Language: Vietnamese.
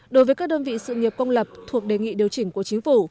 đối với các đơn vị sự nghiệp công lập thuộc đề nghị điều chỉnh của chính phủ